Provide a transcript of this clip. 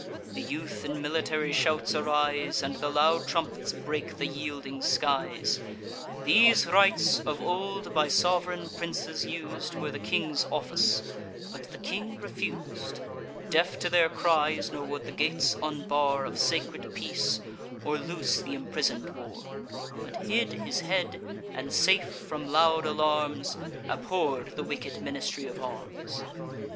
The youth in military shouts arise, And the loud trumpets break the yielding skies. These rites, of old by sov'reign princes us'd, Were the king's office; but the king refus'd, Deaf to their cries, nor would the gates unbar Of sacred peace, or loose th' imprison'd war; But hid his head, and, safe from loud alarms, Abhorr'd the wicked ministry of arms.